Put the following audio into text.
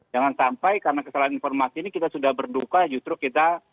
jangan sampai karena kesalahan informasi ini kita sudah berduka justru kita